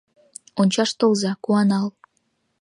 Ончаш толза, куанал.